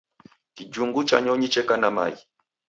Kijhungu cha nyonyi cheka na maghi